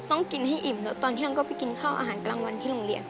ต้องกินให้อิ่มแล้วตอนเที่ยงก็ไปกินข้าวอาหารกลางวันที่โรงเรียน